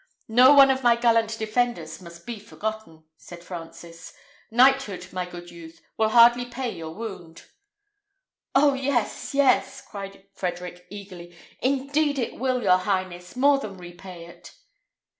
"No one of my gallant defenders must be forgotten," said Francis. "Knighthood, my good youth, will hardly pay your wound." "Oh, yes, yes!" cried Frederick, eagerly; "indeed it will, your highness, more than repay it."